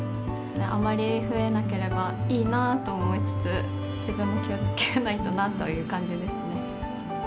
あまり増えなければいいなと思いつつ、自分も気をつけないとなという感じですね。